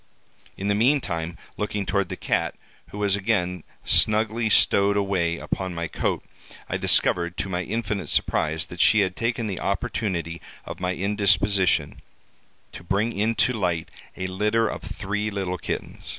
In the meantime, looking toward the cat, who was again snugly stowed away upon my coat, I discovered to my infinite surprise, that she had taken the opportunity of my indisposition to bring into light a litter of three little kittens.